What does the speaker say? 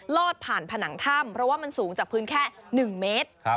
ลอดผ่านผนังถ้ำเพราะว่ามันสูงจากพื้นแค่๑เมตร